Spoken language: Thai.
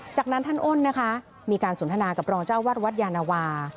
จากนั้นท่านอ้นนะคะมีการสนทนากับรองเจ้าวัดวัดยานวา